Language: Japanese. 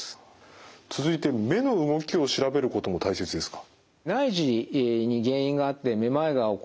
続いて目の動きを調べることも大切ですか？